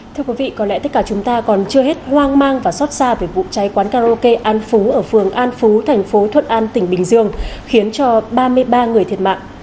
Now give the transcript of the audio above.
thưa quý vị có lẽ tất cả chúng ta còn chưa hết hoang mang và xót xa về vụ cháy quán karaoke an phú ở phường an phú thành phố thuận an tỉnh bình dương khiến cho ba mươi ba người thiệt mạng